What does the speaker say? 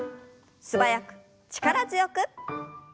素早く力強く。